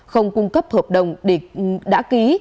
không cung cấp hợp đồng để đã ký